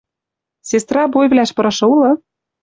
Сестра бойвлӓш пырышы улы?»